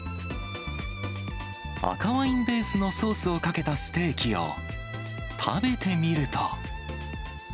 赤ワインベースのソースをかけたステーキを食べてみると。